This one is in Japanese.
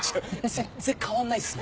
全然変わんないっすね。